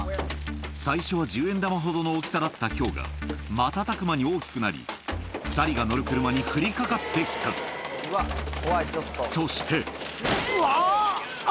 最初は１０円玉ほどの大きさだったひょうが瞬く間に大きくなり２人が乗る車に降りかかって来たそしてうわ！